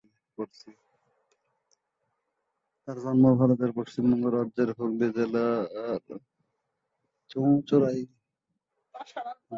তার জন্ম ভারতের পশ্চিমবঙ্গ রাজ্যের হুগলি জেলার চুঁচুড়ায়।